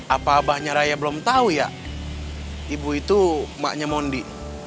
apa abahnya raya belum tahu ya ibu itu emaknya mondi